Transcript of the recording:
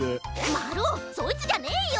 まるおそいつじゃねえよ！